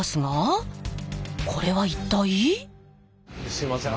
すいません